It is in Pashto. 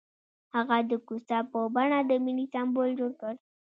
هغه د کوڅه په بڼه د مینې سمبول جوړ کړ.